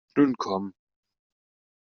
Nun komm!